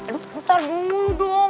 bentar dulu dong